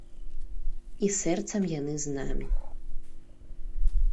І сэрцам яны з намі.